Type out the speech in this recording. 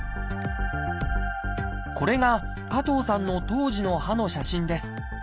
これが加藤さんの当時の歯の写真です。